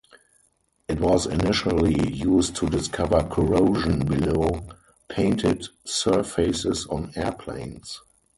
It was initially used to discover corrosion below painted surfaces on airplanes.